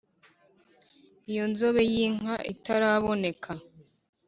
iyo nzobe y’inka itaraboneka